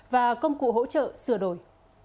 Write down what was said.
và công cụ hỗ trợ sửa đổi